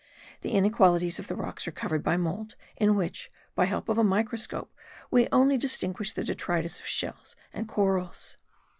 The inequalities of the rocks are covered by mould, in which, by help of a microscope, we only distinguish the detritus of shells and corals.